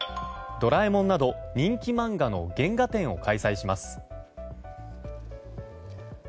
「ドラえもん」など人気漫画の原画展を開催します。